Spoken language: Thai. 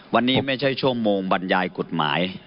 วันนี้ไม่ใช่ชั่วโมงบรรยายกฎหมาย